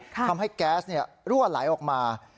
ทำให้แก๊สรั่วไหลออกมา